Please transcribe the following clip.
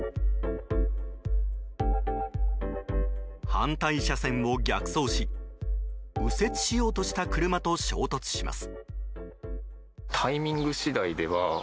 反対車線を逆走し右折しようとした車と衝突します。